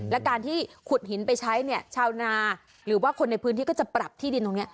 และการที่ขุดหินไปใช้เนี่ยชาวนาหรือว่าคนในพื้นที่ก็จะปรับที่ดินตรงนี้